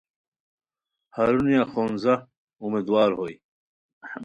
ہرونیہ خونځا امیدوار ہوئے